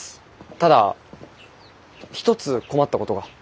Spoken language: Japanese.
ただ一つ困ったことが。